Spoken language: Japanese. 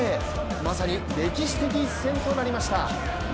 まさに歴史的一戦となりました。